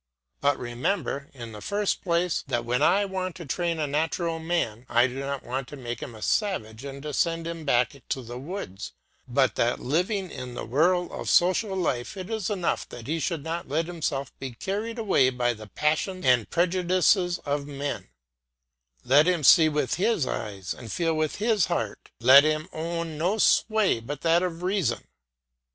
But remember, in the first place, that when I want to train a natural man, I do not want to make him a savage and to send him back to the woods, but that living in the whirl of social life it is enough that he should not let himself be carried away by the passions and prejudices of men; let him see with his eyes and feel with his heart, let him own no sway but that of reason.